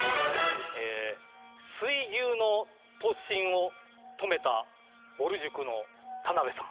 ええ水牛の突進を止めたぼる塾の田辺さん。